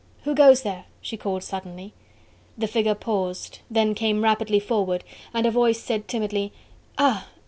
"Who goes there?" she called suddenly. The figure paused: then came rapidly forward, and a voice said timidly: "Ah!